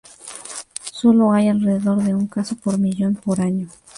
Sólo hay alrededor de un caso por millón por año.